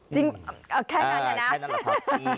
จริงแค่นั้นแหละนะ